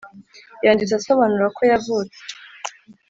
Yanditse asobanura ko yavutse